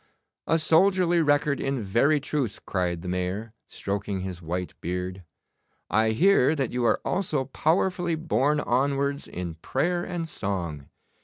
'A soldierly record in very truth,' cried the Mayor, stroking his white beard. 'I hear that you are also powerfully borne onwards in prayer and song.